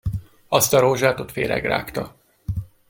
Azt a rózsát ott féreg rágta!